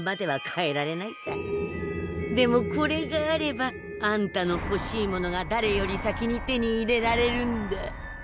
でもこれがあればあんたのほしいものがだれより先に手に入れられるんだ。